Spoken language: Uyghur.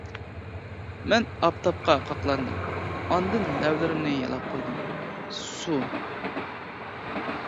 مەن ئاپتاپقا قاقلاندىم ئاندىن لەۋلىرىمنى يالاپ قويدۇم، سۇ!